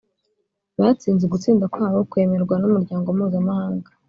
batsinze, ugutsinda kwabo kwemerwa n'umuryango mpuzamahanga,